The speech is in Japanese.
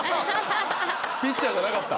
ピッチャーじゃなかった。